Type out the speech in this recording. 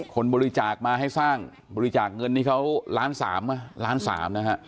คนบริจาคมาให้สร้างบริจาคเงินที่เขา๑๓ล้านนะฮะ